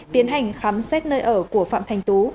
tiến hành khám xét nơi ở của phạm thành tú